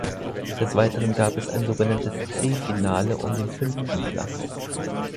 Des Weiteren gab es ein sogenanntes C-Finale um den fünften Platz.